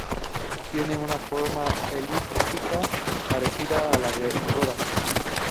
Tiene una forma elíptica parecida a la de Rodas.